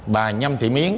bà nhâm thị miến